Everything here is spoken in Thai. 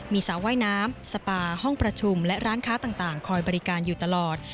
มีสระว่ายน้ำสปาห้องประชุมและร้านค้าต่างคอยบริการอยู่ตลอด